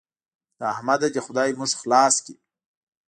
له احمده دې خدای موږ خلاص کړي.